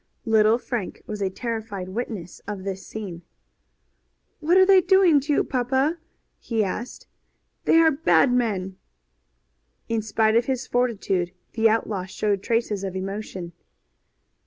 Little Frank was a terrified witness of this scene. "What are they doing to you, papa?" he asked. "They are bad men." In spite of his fortitude the outlaw showed traces of emotion.